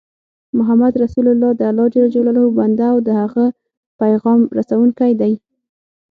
محمد رسول الله دالله ج بنده او د د هغه پیغام رسوونکی دی